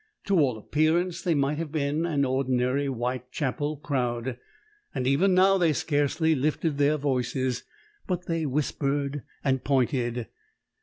To all appearance they might have been an ordinary Whitechapel crowd, and even now they scarcely lifted their voices; but they whispered and pointed.